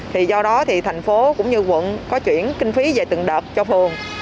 thì do đó thì thành phố cũng như quận có chuyển kinh phí về từng đợt cho phường